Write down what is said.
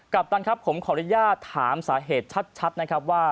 ปตันครับผมขออนุญาตถามสาเหตุชัดนะครับว่า